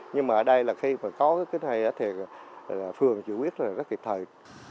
nhưng mà ở đây là khi có cái này thì phường giữ quyết rất kịp thời